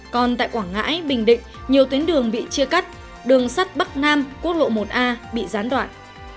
còn tại quảng ngãi bình định nhiều tuyến đường bị chia cắt đường sắt bắc nam quốc lộ một a bị gián đoạn